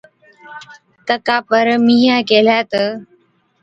تڪا پر مِينهِينَي ڪيهلَي تہ،